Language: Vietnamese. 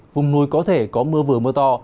vùng núi có thể có mưa vừa mưa to